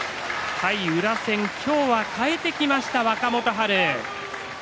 対宇良戦今日は変えてきました、若元春。